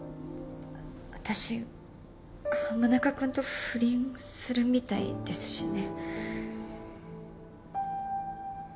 私浜中君と不倫するみたいですしね。